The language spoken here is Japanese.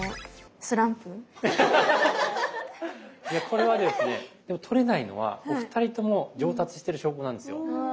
これはですね取れないのはお二人とも上達してる証拠なんですよ。